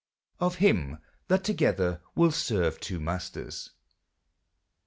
OF HYM THAT TOGYDER WYLL SERVE TWO MAYSTERS.